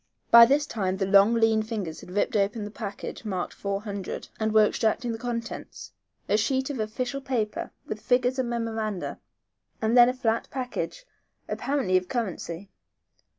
By this time the long, lean fingers had ripped open the package marked four hundred, and were extracting the contents, a sheet of official paper with figures and memoranda, and then a flat package, apparently, of currency.